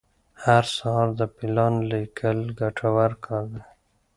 هر سهار د پلان لیکل ګټور کار دی.